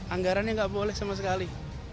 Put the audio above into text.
anggarannya nggak boleh sama sekali